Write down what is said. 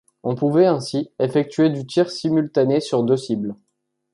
On pouvait ainsi effectuer du tir simultané sur deux cibles.